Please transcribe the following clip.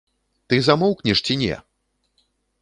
Ты замоўкнеш ці не!